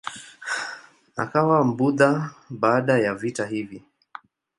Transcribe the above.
Akawa Mbudha baada ya vita hivi.